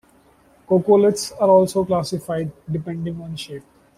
Coccoliths are also classified depending on shape.